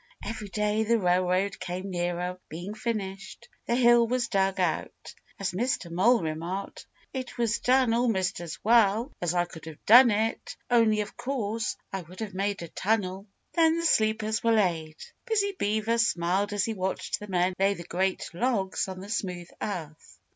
Every day the railroad came nearer being finished. The hill was dug out. As Mr. Mole remarked, "It was done almost as well as I could have done it, only, of course, I would have made a tunnel." Then the sleepers were laid. Busy Beaver smiled as he watched the men lay the great logs on the smooth earth.